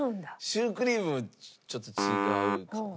シュークリームもちょっと違うかな。